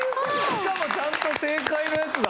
しかもちゃんと正解のやつだ。